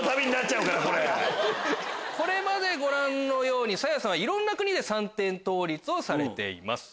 これまでご覧のようにさやさんはいろんな国で三点倒立をされています。